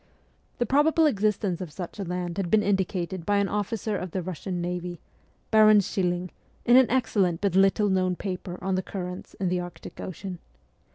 The probable existence of such a land had been indicated by an officer of the Russian navy, Baron Schilling, in an excellent but little known paper on the currents in the Arctic Ocean.